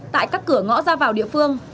tại các cửa ngõ ra vào địa phương